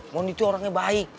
mondi itu orangnya baik